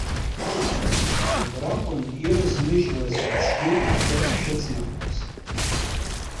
Убра акәын ирызмыжьоз аӡгьы ахы ахьыҵнахуаз.